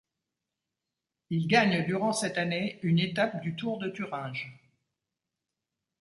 Il gagne durant cette année une étape du Tour de Thuringe.